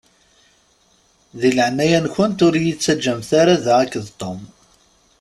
Di leɛnaya-nkent ur yi-ttaǧǧamt ara da akked Tom.